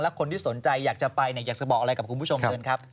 คนที่สนใจอยากจะไปอยากจะบอกอะไรกับคุณผู้ชมเชิญครับ